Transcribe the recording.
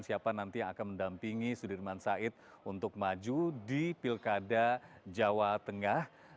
siapa nanti yang akan mendampingi sudirman said untuk maju di pilkada jawa tengah